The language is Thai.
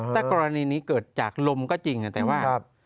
ถ้ากรณีนี้เกิดจากลมก็จริงแต่ว่า